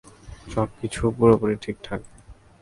সবকিছু পুরোপুরি ঠিকঠাক।